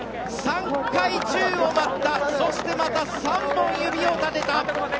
３回宙を舞ったそしてまた３本指を立てた。